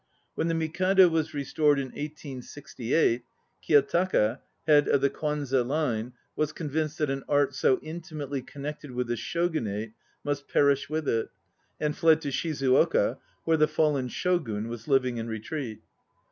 When the Mikado was restored in 1868 Kiyotaka, head of the Kwanze line, was convinced that an art so intimately connected with the Shogunate must perish with it, and fled to Shizuoka where the fallen Shogun was living in retreat.